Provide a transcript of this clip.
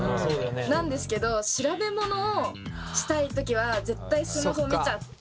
なんですけど調べ物をしたい時は絶対スマホを見ちゃって。